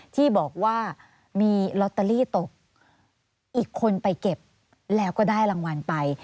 ที่บอกว่ามีลอตเตอรี่ตกอีกคนไปเก็บแล้วก็ได้รางวัลไป